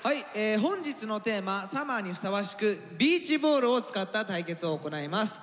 本日のテーマ「ＳＵＭＭＥＲ」にふさわしくビーチボールを使った対決を行います。